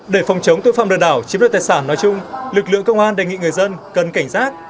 để phòng chống tội phạm lừa đảo chiếm đoạt tài sản nói chung lực lượng công an đề nghị người dân cần cảnh giác